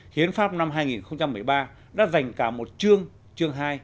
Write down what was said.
hiến pháp năm hai nghìn một mươi ba đã dành cả một chương chương hai